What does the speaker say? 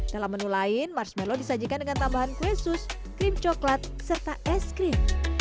dalam menu lain marshmallow disajikan dengan tambahan kuesus krim coklat serta es krim